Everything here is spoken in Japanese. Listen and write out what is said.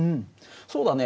そうだね。